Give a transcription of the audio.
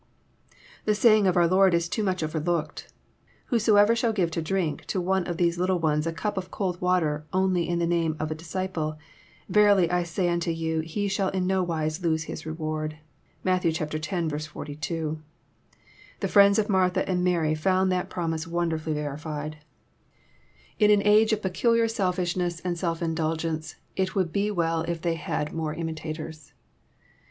The saying of our Lord is too much overlooked :" Whosoever shall give to drink to one of these little ones a cup of cold water only in the name of a disciple, verily I say unto you he shall in no wise lose his reward." (Matt. x. 42.) The friends of Martha and Mary found that promise wonderfully verified. In aa JOHN, CHAP. XI. 269 age of peculiar selfishness and self indulgence, it would be well if they had more imitators.